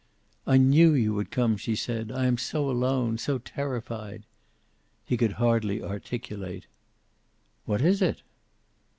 "I knew you would come," she said. "I am so alone, so terrified." He could hardly articulate. "What is it?"